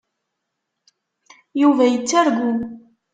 Yuba yettargu.